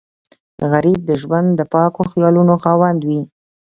غریب د ژوند د پاکو خیالونو خاوند وي